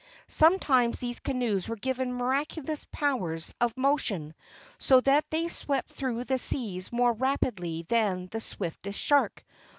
Some¬ times these canoes were given miraculous powers of motion so that they swept through the seas more rapidly than the swiftest shark.